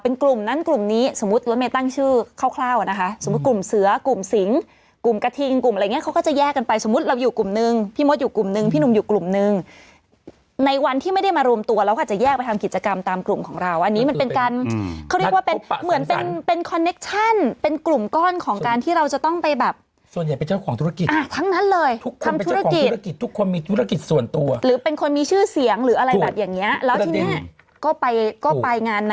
เป็นกลุ่มนั้นกลุ่มนี้สมมุติละเมตตั้งชื่อคร่าวนะคะสมมุติกลุ่มเสือกลุ่มสิงกลุ่มกระทิงกลุ่มอะไรอย่างเงี้ยเขาก็จะแยกกันไปสมมุติเราอยู่กลุ่มหนึ่งพี่มดอยู่กลุ่มหนึ่งพี่หนุ่มอยู่กลุ่มหนึ่งในวันที่ไม่ได้มารวมตัวเราอาจจะแยกไปทำกิจกรรมตามกลุ่มของเราอันนี้มันเป็นการเขาเรียกว่าเป็นเหมือนเป็น